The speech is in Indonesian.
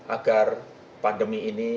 agar pandemi ini